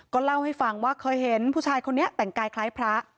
เล่าให้ฟังว่าเคยเห็นผู้ชายคนนี้แต่งกายคล้ายพระ